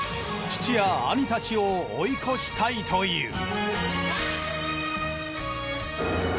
父や兄たちを追い越したいという。